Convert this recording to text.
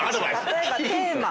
例えばテーマ。